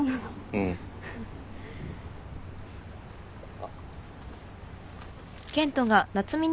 うん。あっ。